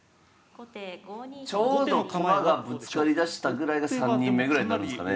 ちょうど駒がぶつかりだしたぐらいが３人目ぐらいになるんですかね。